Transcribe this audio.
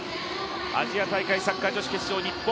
アジア大会サッカー女子決勝、日本